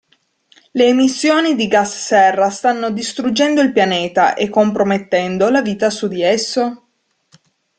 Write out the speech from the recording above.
Le emissioni di gas serra stanno distruggendo il pianeta e compromettendo la vita su di esso?